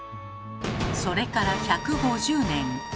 それから１５０年。